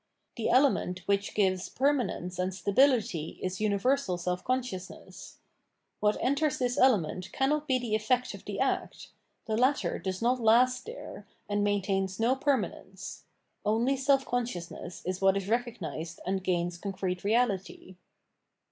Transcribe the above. The element which gives perma nence and stability is universal self consciousness. What enters this element cannot be the effect of the act : the latter does not last there, and maintains no permanence : only self consciousness is what is recognised and gains concrete reality.